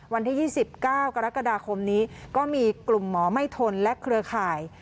วันที่๒๙กรกฎาคมนี้ก็มีกลุ่มหมอไม่ทนและเครือข่าย